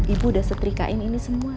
ibu udah setrikain ini semua